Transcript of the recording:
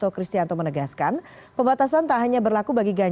ketua dpp pdi perjuangan